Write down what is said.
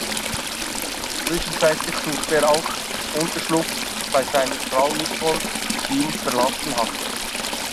Zwischenzeitlich sucht er auch Unterschlupf bei seiner Frau Nicole, die ihn verlassen hat.